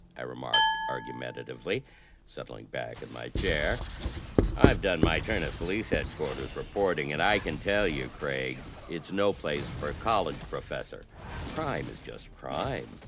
I remarked argumentatively, settling back in my chair. ''I've done my turn at police headquarters reporting, and I can tell you, Craig, it's no place for a college professor. Crime is just crime.